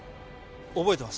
覚えてます。